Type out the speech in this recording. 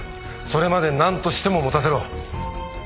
それまで何としても持たせろ。